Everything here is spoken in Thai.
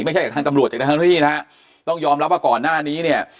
จากทางตำรวจจากทางที่นะฮะต้องยอมรับว่าก่อนหน้านี้เนี่ย